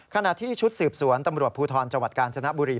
ขณะที่ชุดสืบสวนตำรวจภูทรจังหวัดกาญจนบุรี